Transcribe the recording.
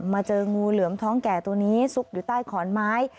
เจองูเหลือมท้องแก่ตัวนี้ซุกอยู่ใต้ขอนไม้